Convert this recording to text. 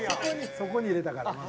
そこに入れたからまあ。